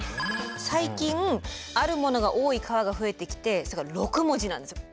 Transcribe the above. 最近あるものが多い川が増えてきてそれが６文字なんですよ。